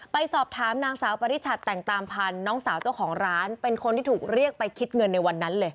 ไปสอบถามนางสาวปริชัดแต่งตามพันธ์น้องสาวเจ้าของร้านเป็นคนที่ถูกเรียกไปคิดเงินในวันนั้นเลย